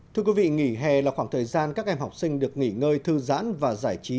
thưa quý vị nghỉ hè là khoảng thời gian các em học sinh được nghỉ ngơi thư giãn và giải trí